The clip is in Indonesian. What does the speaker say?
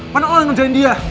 mana orang ngerjain dia